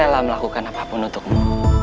rela melakukan apapun untukmu